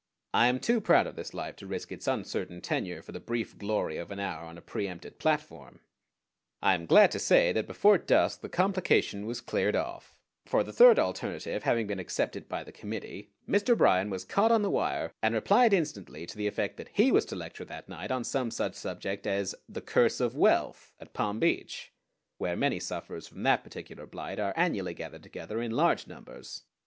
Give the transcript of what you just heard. I am too proud of this life to risk its uncertain tenure for the brief glory of an hour on a preëmpted platform. I am glad to say that before dusk the complication was cleared off; for, the third alternative having been accepted by the committee, Mr. Bryan was caught on the wire, and replied instantly to the effect that he was to lecture that night on some such subject as "The Curse of Wealth" at Palm Beach, where many sufferers from that particular blight are annually gathered together in large numbers.